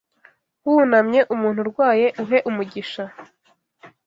Wunamye Umuntu urwaye, uhe umugisha